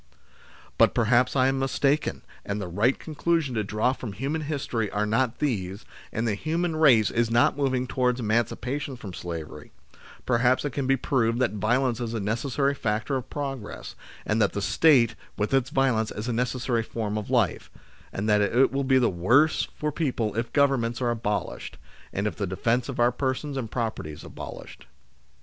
But perhaps I am mistaken, and the right conclusions to draw from human history are not these, and the human race is not moving towards emancipation from slavery ; perhaps it can be proved that violence is a necessary factor of pro gress, and that the State with its violence is a necessary form of life, and that it will be worse WHAT SHOULD EACH MAN DO? 123 for people if Governments are abolished, and if the defence of our persons and property is abolished.